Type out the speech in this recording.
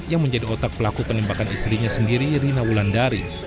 yang menjadi otak pelaku penembakan istrinya sendiri rina wulandari